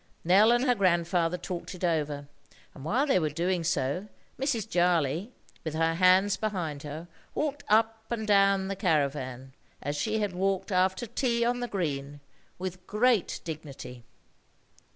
Nell and her grandfather talked it over; and while they were doing so Mrs. Jarley, with her hands behind her, walked up and down the caravan, as she had walked after tea on the green, with great dignity.